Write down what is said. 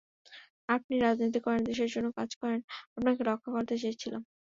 আপনি রাজনীতি করেন, দেশের জন্য কাজ করেন, আপনাকে রক্ষা করতে চেয়েছিলাম।